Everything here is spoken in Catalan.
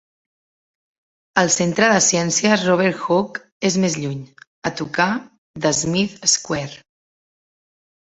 El Centre de Ciències Robert Hooke és més lluny, a tocar de Smith Square.